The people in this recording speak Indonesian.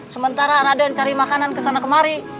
sementara raden cari makanan ke sana kemari